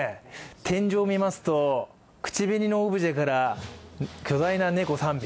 天井を見ますと口紅のオブジェから巨大な猫３匹。